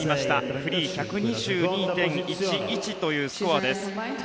フリー、１２２．１１というスコアです。